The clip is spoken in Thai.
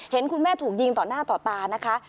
เห็นคุณแม่ถูกยิงต่อหน้าต่อตานะคะ